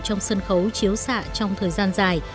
trong sân khấu chiếu xạ trong thời gian dài